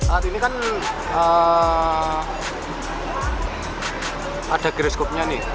alat ini kan ada giriskopnya nih